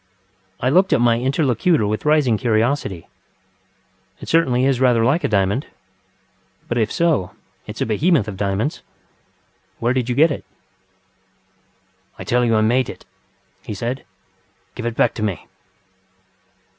I looked at my interlocutor with rising curiosity. ŌĆ£It certainly is rather like a diamond. But, if so, it is a Behemoth of diamonds. Where did you get it? ŌĆØ ŌĆ£I tell you I made it, ŌĆØ he said. ŌĆ£Give it back to me.